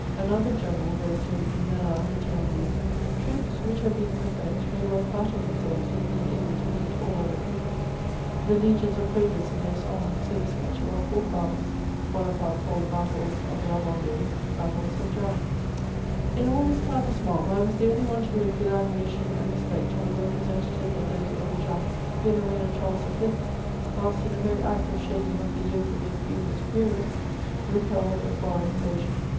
Another general wrote to Merlin de Thionville :" Troops which have beaten the French, may well flatter themselves with being able to beat all other people." The legions of Probus, in their songs, said as much of our fathers. Bonaparte called the battles of La Vendee " battles of giants." In all this clamorous mob, I was the only one to look with admiration and respect on the representative of those old Jacques^ who in the reign of Charles V., whilst in the very act of shaking off the yoke of their feudal superiors, repelled a foreign invasion.